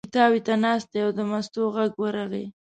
پیتاوي ته ناست دی او د مستو غږ ورغی.